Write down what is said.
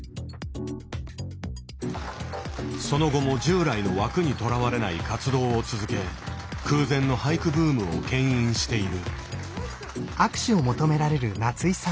その後も従来の枠にとらわれない活動を続け空前の俳句ブームを牽引している。